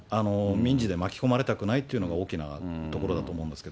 民事で巻き込まれたくないというのが大きなところだと思うんです